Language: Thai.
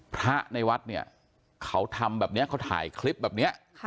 พระในวัดเนี่ยเขาทำแบบนี้เขาถ่ายคลิปแบบนี้